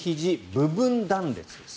部分断裂です。